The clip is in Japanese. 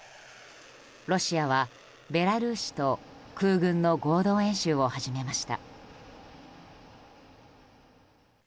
ロシアはベラルーシと空軍の合同演習を始めました。